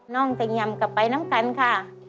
น้องเซงียมก็ไปน้ำกันค่ะ